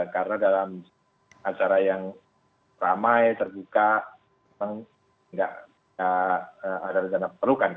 karena dalam acara yang ramai terbuka memang tidak ada rencana perlukan